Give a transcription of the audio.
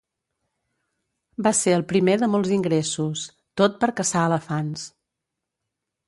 Va ser el primer de molts ingressos, tot per caçar elefants.